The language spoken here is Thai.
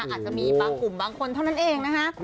อาจจะมีบางกลุ่มบางคนเท่านั้นเองนะคะ